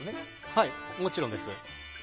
はい、もちろんです。